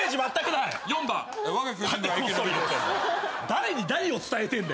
誰に何を伝えてんだよ。